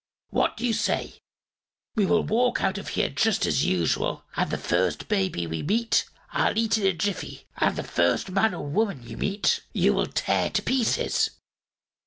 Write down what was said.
What do you say? We will walk out of here just as usual and the first baby we meet I'll eat in a jiffy, and the first man or woman you meet you will tear to pieces.